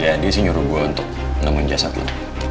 ya dia sih nyuruh gua untuk ngemen jasad lo